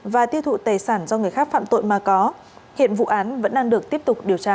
và tiêu thụ tài sản do người khác phạm tội mà có hiện vụ án vẫn đang được tiếp tục điều tra